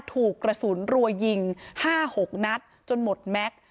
ถูกกระสุนรัวยิง๕๖นัดจนหมดแม็กซ์